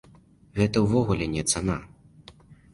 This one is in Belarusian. Гэта ўвогуле не цана.